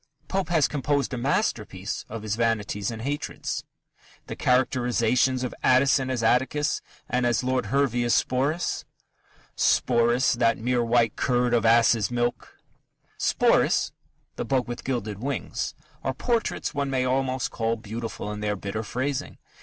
Pope has composed a masterpiece of his vanities and hatreds. The characterizations of Addison as Atticus, and of Lord Hervey as Sporus: Sporus, that mere white curd of ass's milk Sporus, "the bug with gilded wings" are portraits one may almost call beautiful in their bitter phrasing.